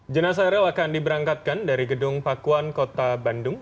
jenasa eril akan diberangkatkan dari gedung pakuan kota bandung